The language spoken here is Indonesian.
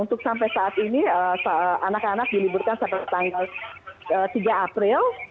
untuk sampai saat ini anak anak diliburkan sampai tanggal tiga april